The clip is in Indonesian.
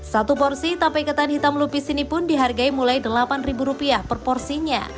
satu porsi tape ketan hitam lupis ini pun dihargai mulai rp delapan per porsinya